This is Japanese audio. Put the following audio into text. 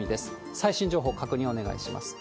最新情報確認をお願いいたします。